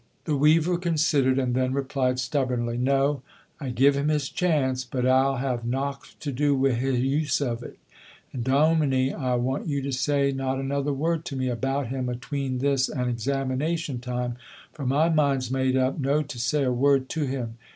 The weaver considered, and then replied stubbornly, "No, I give him his chance, but I'll have nocht to do wi' his use o't. And, dominie, I want you to say not another word to me about him atween this and examination time, for my mind's made up no to say a word to him.